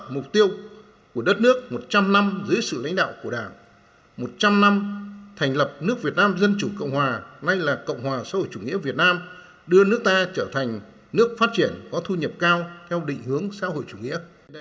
mục tiêu của đất nước một trăm linh năm dưới sự lãnh đạo của đảng một trăm linh năm thành lập nước việt nam dân chủ cộng hòa nay là cộng hòa xã hội chủ nghĩa việt nam đưa nước ta trở thành nước phát triển có thu nhập cao theo định hướng xã hội chủ nghĩa